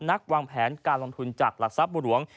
วางแผนการลงทุนจากหลักทรัพย์บุหลวง